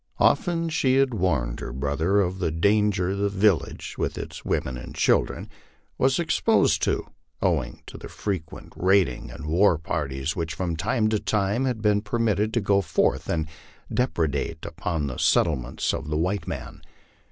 Often had she warned her brother of the danger the vil lage, with its women and children, was exposed to, owing to the frequent raid ing and war parties which from time to time had been permitted to go forth and depredate upon the settlements of the white men.